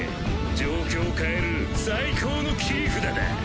状況を変える最高の切り札だ。